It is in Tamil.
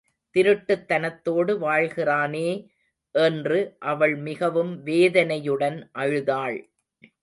திருட்டுத் தனத்தோடு வாழ்கிறானே, என்று அவள் மிகவும் வேதனையுடன் அழுதாள்.